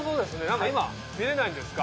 何か今見れないんですか？